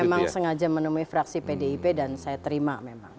memang sengaja menemui fraksi pdip dan saya terima memang